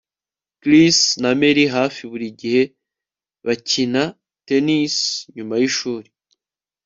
Chris na Mary hafi buri gihe bakina tennis nyuma yishuri